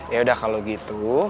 yaudah kalau gitu